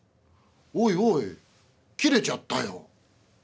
おいおい切れちゃったよ」。